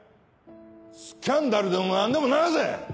スキャンダルでも何でも流せ！